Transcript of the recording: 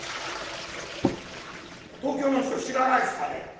東京の人知らないですかね？